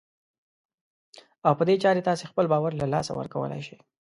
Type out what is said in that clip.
او په دې چارې تاسې خپل باور له لاسه ورکولای شئ.